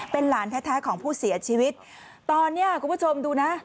เป็นหลานแท้ของผู้เสียชีวิตตอนเนี้ยคุณผู้ชมดูนะ